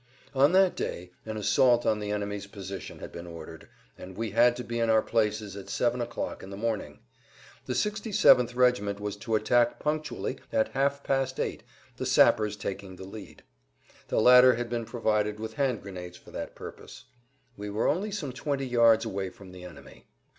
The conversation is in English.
On that day an assault on the enemy's position had been ordered, and we had to be in our places at seven o'clock in the morning. The 67th regiment was to attack punctually at half past eight, the sappers taking the lead. The latter had been provided with hand grenades for that purpose. We were only some twenty yards away from the enemy.